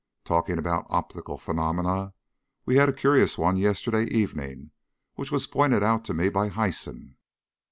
Talking about optical phenomena, we had a curious one yesterday evening which was pointed out to me by Hyson.